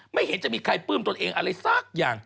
ไม่เห็นจะมีใครปลื้มตนเองอะไรสักอย่าง